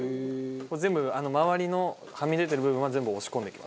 全部周りのはみ出てる部分は全部押し込んでいきます。